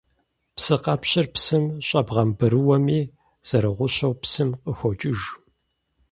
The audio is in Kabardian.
Псыкъэпщыр псым щӀэбгъэмбрыуэми, зэрыгъущэу псым къыхокӀыж.